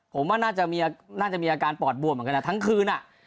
ผมว่าน่าจะมีอาการปอดบวมเหมือนกันทั้งคืน